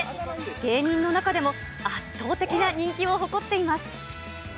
芸人の中でも圧倒的な人気を誇っています。